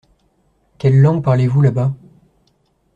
Quelle langue parlez-vous là-bas ?